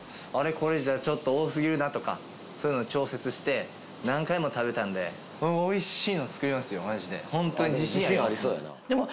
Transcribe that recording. これじゃあちょっと多すぎるな」とかそういうの調節して何回も食べたんでマジでホントに自信あります